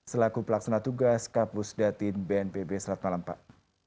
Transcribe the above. selaku pelaksana tugas kapus datin bnpb selamat malam pak